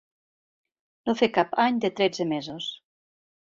No fer cap any de tretze mesos.